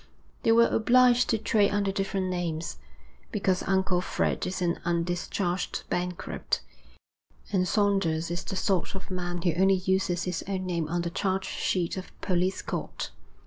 They were obliged to trade under different names, because Uncle Fred is an undischarged bankrupt, and Saunders is the sort of man who only uses his own name on the charge sheet of a police court.'